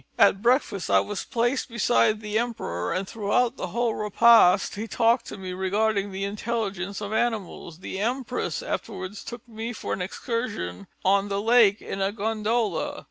At breakfast, I was placed beside the Emperor and throughout the whole repast he talked to me regarding the intelligence of animals. The Empress afterwards took me for an excursion on the lake in a gondola.